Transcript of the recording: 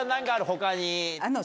他に。